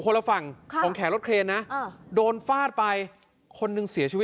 ละฝั่งของแขนรถเครนนะโดนฟาดไปคนหนึ่งเสียชีวิต